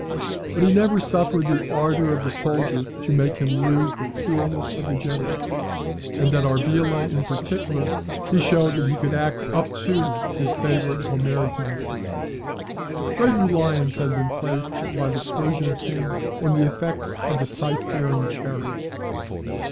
But he never suffered the ardour of the soldier to make him lose the coolness of the general; and at Arbela, in particular, he showed that he could act up to his favourite Homeric maxim. Great reliance had been placed by the Persian king on the effects of the scythe bearing chariots.